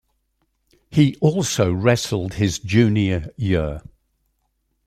He also wrestled his junior year.